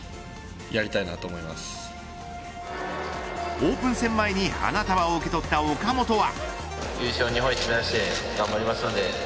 オープン戦前に花束を受け取った岡本は。